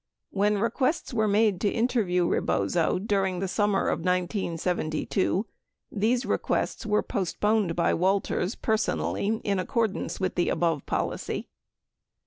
95 When requests were made to interview Rebozo during the summer of 1972, these requests were postponed by Walters per sonally in accordance with the above policy.